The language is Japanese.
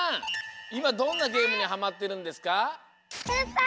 いまどんなゲームにハマってるんですか？